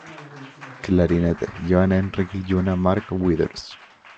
Clarinetes: Joan Enric Lluna, Mark Withers.